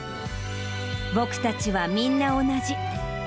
僕たちはみんな同じ。